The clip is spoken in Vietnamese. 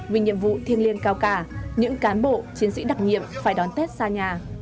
vì nhiệm vụ thiêng liêng cao cả những cán bộ chiến sĩ đặc nhiệm phải đón tết xa nhà